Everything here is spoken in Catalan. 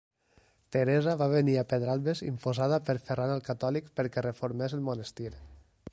Teresa va venir a Pedralbes imposada per Ferran el Catòlic perquè reformés el monestir.